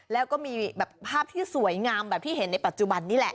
แล้วก็มีแบบภาพที่สวยงามแบบที่เห็นในปัจจุบันนี่แหละ